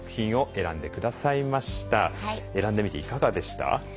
選んでみていかがでした？